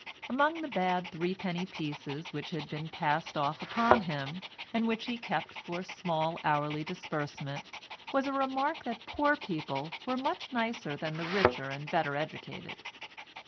Among the bad threepenny pieces which had been passed off upon him, and which he kept for small hourly disbursement, was a remark that poor people were much nicer than the richer and better educated.